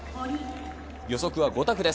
予測は５択です。